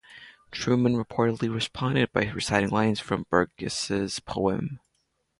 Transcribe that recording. Truman reportedly responded by reciting lines from Burgess's poem.